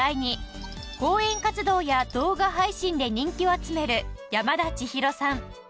講演活動や動画配信で人気を集める山田千紘さん。